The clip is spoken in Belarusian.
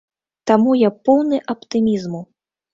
Таму я поўны аптымізму!